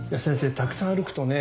たくさん歩くとね